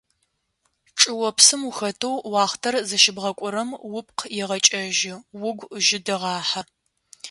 ЧӀыопсым ухэтэу уахътэр зыщыбгъакӏорэм упкъ егъэкӀэжьы, угу жьы дегъэхьэ.